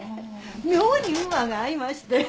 妙に馬が合いまして。